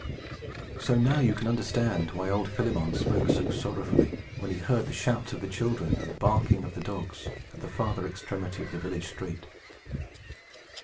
So now you can understand why old Philemon spoke so sorrowfully, when he heard the shouts of the children and the barking of the dogs, at the farther extremity of the village street.